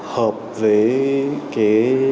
hợp với cái